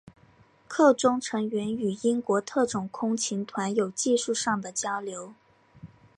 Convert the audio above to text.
课中成员与英国特种空勤团有技术上的交流。